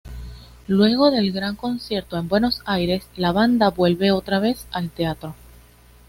Luego del gran concierto en Buenos Aires, la banda vuelve otra vez al Teatro.